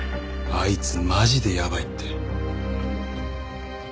あいつマジでやばいって。